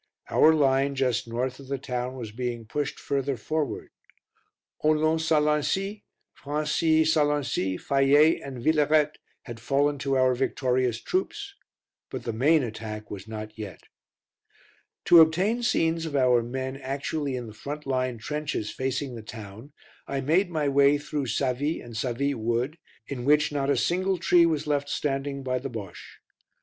Our line, just north of the town, was being pushed further forward. Holon Selency, Francilly Selency, Fayet and Villerete had fallen to our victorious troops, but the main attack was not yet. To obtain scenes of our men actually in the front line trenches facing the town, I made my way through Savy and Savy Wood, in which not a single tree was left standing by the Bosche.